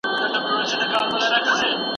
استاد شاګرد ته د کتابونو نوملړ ورکوي.